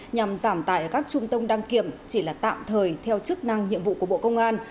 nhằm giảm tải ở các trung tâm đăng kiểm chỉ là tạm thời theo chức năng nhiệm vụ của bộ công an